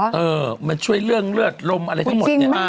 เหรอคุณจริงมั้ยเออมันช่วยเรื่องเลือดรมอะไรทั้งหมดเนี่ย